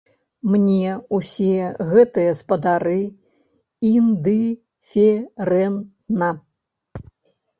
Мне ўсе гэтыя спадары індыферэнтна.